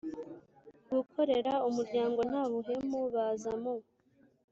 gukorera umuryango nta buhemu Baza mu